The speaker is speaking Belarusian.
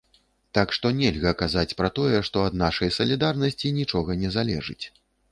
Так што нельга казаць пра тое, што ад нашай салідарнасці нічога не залежыць.